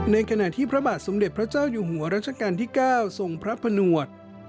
ในขณะที่พระบาทสมเด็จพระเจ้าอยู่หัวรัชกาลที่๙ทรงพระผนวด